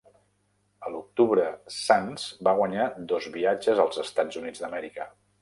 A l'octubre Sands va guanyar dos viatges als Estats Units d'Amèrica.